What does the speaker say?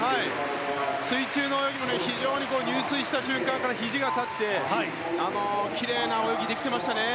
水中の泳ぎも入水した瞬間からひじが立ってきれいな泳ぎができていました。